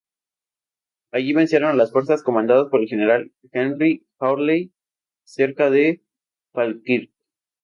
Allí vencieron a las fuerzas comandadas por el general Henry Hawley cerca de Falkirk.